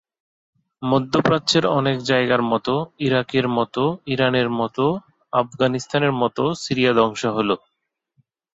মধ্যপ্রাচ্যের অনেক জায়গার মতো, ইরাকের মতো, ইরানের মতো, আফগানিস্তানের মতো সিরিয়া ধ্বংস হলো।